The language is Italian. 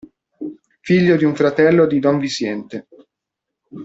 Figlio di un fratello di don Viciente.